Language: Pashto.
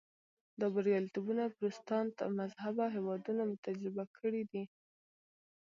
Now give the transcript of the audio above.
دا بریالیتوبونه پروتستانت مذهبه هېوادونو تجربه کړي دي.